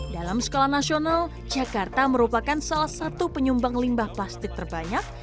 dalam skala nasional jakarta merupakan salah satu penyumbang limbah plastik terbanyak